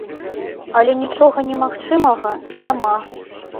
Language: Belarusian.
Але нічога немагчымага няма.